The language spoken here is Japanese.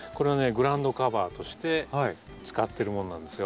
グラウンドカバーとして使ってるものなんですよ。